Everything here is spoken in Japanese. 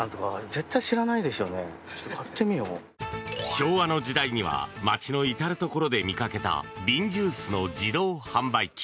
昭和の時代には街の至るところで見かけた瓶ジュースの自動販売機。